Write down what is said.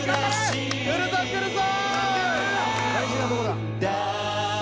くるぞくるぞ！